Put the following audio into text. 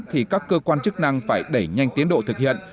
thì các cơ quan chức năng phải đẩy nhanh tiến độ thực hiện